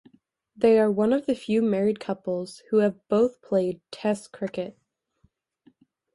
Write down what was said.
They are one of the few married couples who have both played Test cricket.